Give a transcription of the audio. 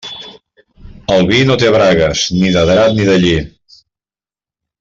El vi no té bragues, ni de drap ni de lli.